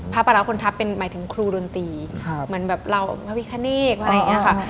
พระปราคนทัพเป็นหมายถึงครูดนตรีเหมือนแบบเราพระพิคเนตอะไรอย่างนี้ค่ะ